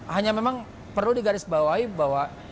hanya memang perlu digarisbawahi bahwa